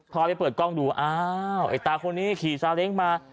พอไปเปิดกล้องดูอ้าวไอ้ตาคนนี้ขี่ซาเล้งมา